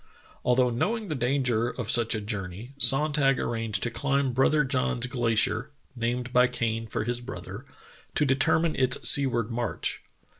Although knowing the danger of such a journey, Sonntag arranged to climb Brother John's Glacier (named by Kane for his brother) to determine its sea ward march.